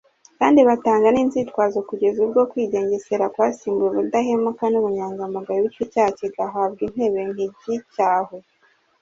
kandi batanga ninzitwazo kugeza ubwo kwigengesera kwasimbuye ubudahemuka nubunyangamugayo bityo icyaha kigahabwa intebe ntigicyahwe